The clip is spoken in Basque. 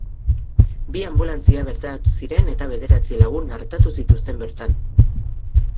Bi anbulantzia bertaratu ziren eta bederatzi lagun artatu zituzten bertan.